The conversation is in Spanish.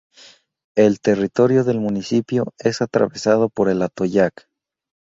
El territorio del municipio es atravesado por el Atoyac.